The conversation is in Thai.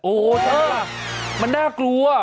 โอ้เธอมันน่ากลัว